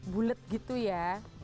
bulet gitu ya